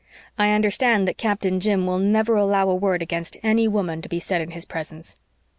I understand that Captain Jim will never allow a word against any woman to be said in his presence."